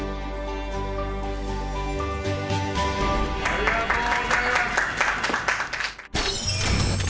ありがとうございます！